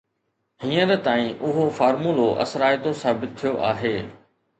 هينئر تائين اهو فارمولو اثرائتو ثابت ٿيو آهي